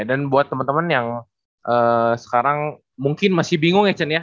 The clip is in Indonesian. dan buat temen temen yang sekarang mungkin masih bingung ya cun ya